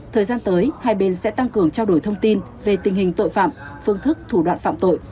thời gian tới hai bên sẽ tăng cường trao đổi thông tin về tình hình tội phạm phương thức thủ đoạn phạm tội